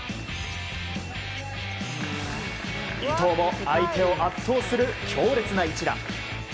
伊藤も相手を圧倒する強烈な一打。